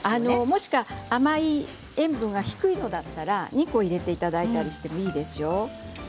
もしくは塩分が低いものだったら２個入れていただいたりしてもいいですよ。